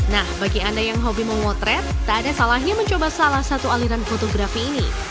nah bagi anda yang hobi memotret tak ada salahnya mencoba salah satu aliran fotografi ini